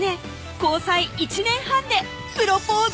交際１年半でプロポーズ